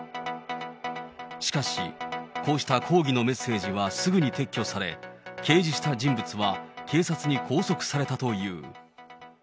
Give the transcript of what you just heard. しかし、こうした抗議のメッセージはすぐに撤去され、掲示した人物は警察に拘束されたという。